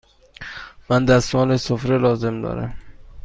من دستمال سفره لازم دارم.